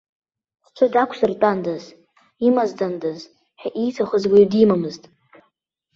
Сҽы дақәсыртәандаз, имаздандаз ҳәа ииҭахыз уаҩ димамызт.